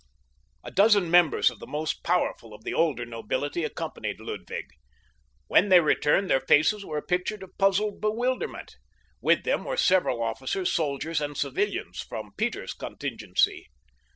A dozen members of the most powerful of the older nobility accompanied Ludwig. When they returned their faces were a picture of puzzled bewilderment. With them were several officers, soldiers and civilians from Peter's contingency.